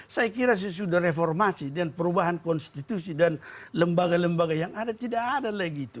saya kira sesudah reformasi dan perubahan konstitusi dan lembaga lembaga yang ada tidak ada lagi itu